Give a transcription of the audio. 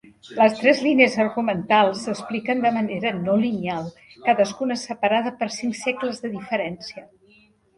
Les tres línies argumentals s'expliquen de manera no lineal, cadascuna separada per cinc segles de diferència.